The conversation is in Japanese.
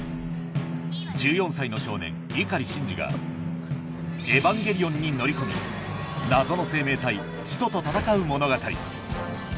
１４歳の少年碇シンジがエヴァンゲリオンに乗り込み謎の生命体使徒と戦う物語